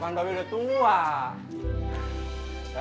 apaan bawe udah tua